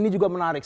ini juga menarik